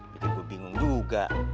bikin gue bingung juga